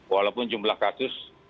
walaupun jumlah kasus